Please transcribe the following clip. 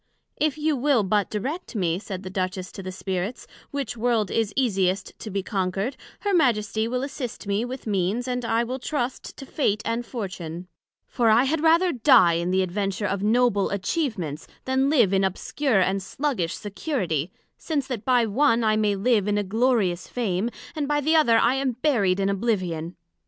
If you will but direct me, said the Duchess to the Spirits, which World is easiest to be conquered, her Majesty will assist me with Means, and I will trust to Fate and Fortune; for I had rather die in the adventure of noble atchievements, then live in obscure and sluggish security; since the by one, I may live in a glorious Fame; and by the other I am buried in oblivion.